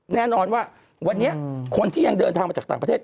แน่นอนว่าวันนี้คนที่ยังเดินทางมาจากต่างประเทศ